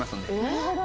なるほど。